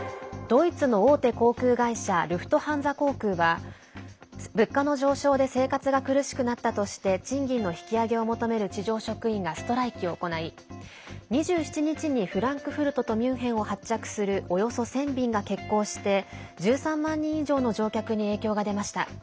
ドイツの大手航空会社ルフトハンザ航空は物価の上昇で生活が苦しくなったとして賃金の引き上げを求める地上職員がストライキを行い２７日にフランクフルトとミュンヘンを発着するおよそ１０００便が欠航して１３万人以上の乗客に影響が出ました。